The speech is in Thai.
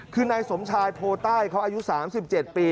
คือในสมชายโพลไต้เขายุ่๓๗ปี